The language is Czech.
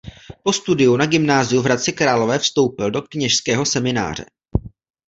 Po studiu na gymnáziu v Hradci Králové vstoupil do kněžského semináře.